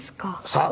さあ